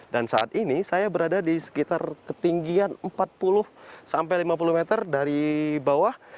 saat ini saya berada di sekitar ketinggian empat puluh sampai lima puluh meter dari bawah